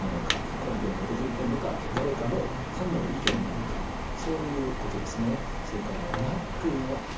根拠に基づいてるのか誰かの単なる意見なのかそういうことですね。